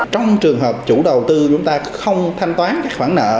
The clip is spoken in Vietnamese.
trong trường hợp chủ đầu tư chúng ta không thanh toán các khoản nợ